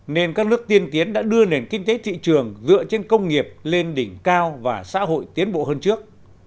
nên các nước tiên tiến đã đưa nền kinh tế thị trường dựa trên công nghiệp lên đỉnh cao và xã hội tiến bộ hơn trước